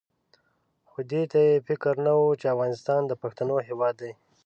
خو دې ته یې فکر نه وو چې افغانستان د پښتنو هېواد دی.